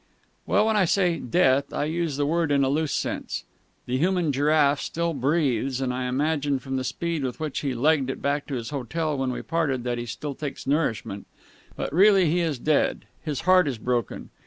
"Well, when I say death, I use the word in a loose sense. The human giraffe still breathes, and I imagine, from the speed with which he legged it back to his hotel when we parted, that he still takes nourishment. But really he is dead. His heart is broken.